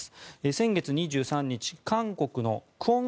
先月２３日韓国のクォン